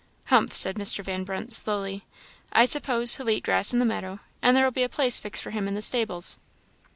"Humph!" said Mr. Van Brunt, slowly "I s'pose he'll eat grass in the meadow, and there'll be a place fixed for him in the stables."